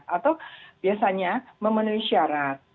atau biasanya memenuhi syarat